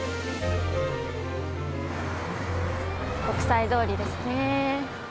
国際通りですね。